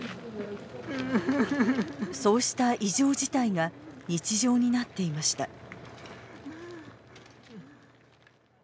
そうした異常事態が日常になっていました。